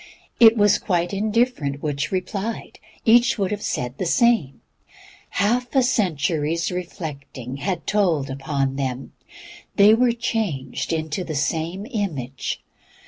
It was quite indifferent which replied, each would have said the same. Half a century's reflecting had told upon them; they were changed into the same image.